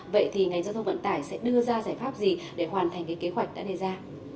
vậy thì ngành giao thông vận tải sẽ đưa ra giải pháp gì để hoàn thành kế hoạch đã đề ra